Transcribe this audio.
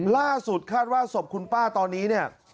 ล่าสุดคาดว่าศพคุณป้าตอนนี้เนี่ย